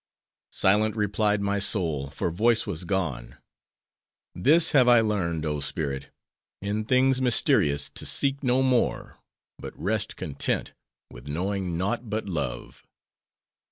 "Silent replied my soul, for voice was gone,—'This have I learned, oh! spirit!—In things mysterious, to seek no more; but rest content, with knowing naught but Love.